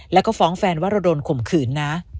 แล้วก็ฟ้องแฟนว่าเราโดนข่มขืนนะ